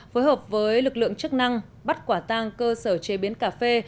phối hợp với lực lượng chức năng bắt quả tang cơ sở chế biến cà phê